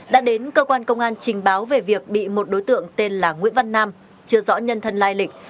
đã đến cơ quan công an trình báo về việc bị một đối tượng tên là nguyễn văn nam chưa rõ nhân thân lai lịch